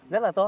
rất là tốt